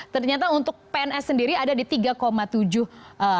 ternyata untuk pns sendiri ada di tiga tujuh triliun